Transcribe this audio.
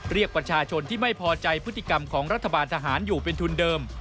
เรียกประชาชนที่ไม่พอใจพฤติกรรมของรัฐบาลทหารอยู่เป็นทุนเดิม